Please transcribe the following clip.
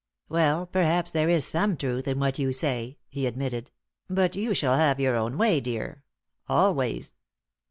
"Well, perhaps there is some truth in what you say," he admitted, "but you shall have your own way, dear always."